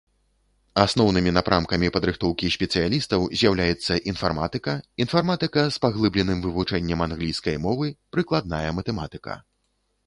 Асноўнымі напрамкамі падрыхтоўкі спецыялістаў з'яўляецца інфарматыка, інфарматыка з паглыбленым вывучэннем англійскай мовы, прыкладная матэматыка.